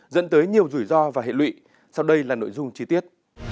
dẫn tới nhiều rủi ro và hệ lụy sau đây là nội dung chi tiết